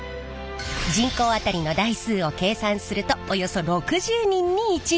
人口当たりの台数を計算するとおよそ６０人に１台。